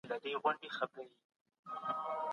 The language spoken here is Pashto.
د کاري ساعتونو سمون اړین دی.